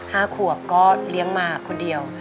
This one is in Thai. ห้าขวบก็เลี้ยงมาคนเดียว